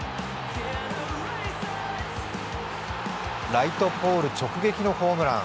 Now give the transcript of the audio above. ライトポール直撃のホームラン。